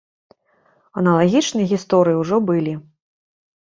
Аналагічныя гісторыі ўжо былі.